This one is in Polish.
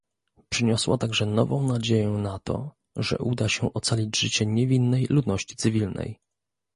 Przyniosła także nową nadzieję na to, że uda się ocalić życie niewinnej ludności cywilnej